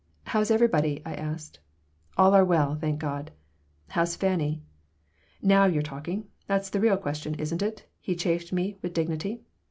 "How's everybody?" I asked "All are well, thank God." "How's Fanny?" "Now you're talking. That's the real question, isn't it?" he chaffed me, with dignity.